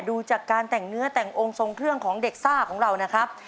ดูจากการแต่งเนื้อแต่งองค์ทรงเครื่องของเด็กซ่าของเรานะครับ